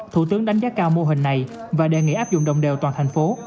thủ tướng đánh giá cao mô hình này và đề nghị áp dụng đồng đều toàn thành phố